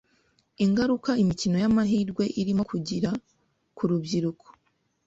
ingaruka imikino y’amahirwe irimo kugira ku rubyiruko.